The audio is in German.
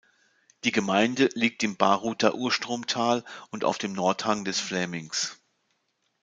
Die Gemeinde liegt im Baruther Urstromtal und auf dem Nordhang des Flämings.